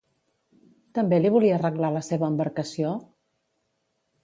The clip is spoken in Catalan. També li volia arreglar la seva embarcació?